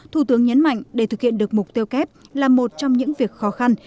thủ tướng nhấn mạnh để thực hiện được mục tiêu kép là một trong những việc khó khăn